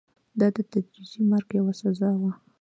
دا د تدریجي مرګ یوه سزا وه.